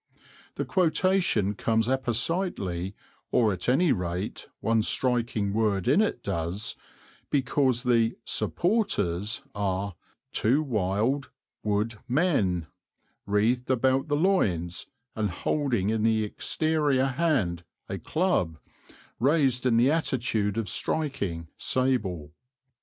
The quotation comes appositely, or at any rate one striking word in it does, because the "supporters" are "Two wild (wode) men, wreathed about the loins, and holding in the exterior hand a club, raised in the attitude of striking, sable."